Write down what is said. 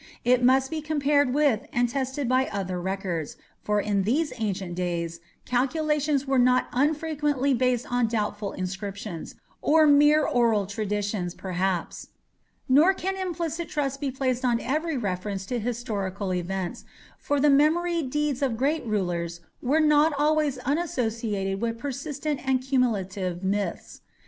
It must be compared with and tested by other records, for in these ancient days calculations were not unfrequently based on doubtful inscriptions, or mere oral traditions, perhaps. Nor can implicit trust be placed on every reference to historical events, for the memoried deeds of great rulers were not always unassociated with persistent and cumulative myths.